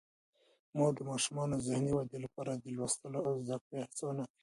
مور د ماشومانو د ذهني ودې لپاره د لوستلو او زده کړې هڅونه کوي.